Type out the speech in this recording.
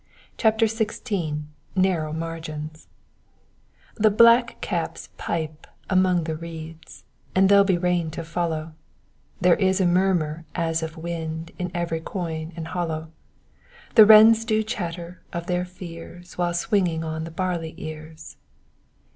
CHAPTER XVI NARROW MARGINS The black caps pipe among the reeds, And there'll be rain to follow; There is a murmur as of wind In every coign and hollow; The wrens do chatter of their fears While swinging on the barley ears.